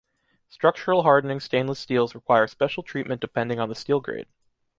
Structural hardening stainless steels require special treatment depending on the steel grade.